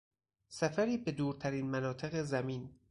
سفری به دورترین مناطق زمین